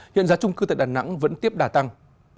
hiện giá trung cư tại đà nẵng vẫn tiếp đà tăng